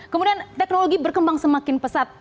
kemudian teknologi berkembang semakin pesat